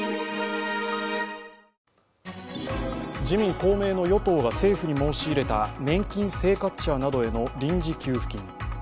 自民・公明の与党が政府に申し入れた年金生活者などへの臨時給付金。